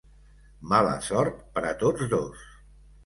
Mala sort per a tots dos.